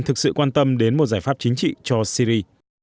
thực sự quan tâm đến một giải pháp chính trị cho syri